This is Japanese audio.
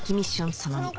その２